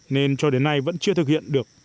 nên cho đến nay vẫn chưa thực hiện được